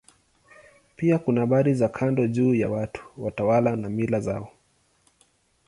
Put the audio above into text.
Pia kuna habari za kando juu ya watu, watawala na mila zao.